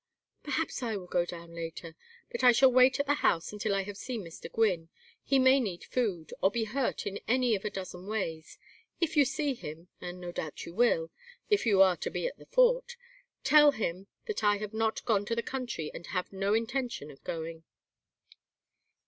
"Perhaps I will go down later. But I shall wait at the house until I have seen Mr. Gwynne he may need food, or be hurt in any of a dozen ways. If you see him and no doubt you will, if you are to be at the fort tell him that I have not gone to the country and have no intention of going."